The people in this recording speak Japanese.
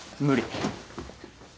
無理。